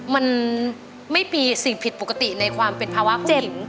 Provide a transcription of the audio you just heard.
มันไม่มีสิ่งผิดปกติในความเป็นภาวะของ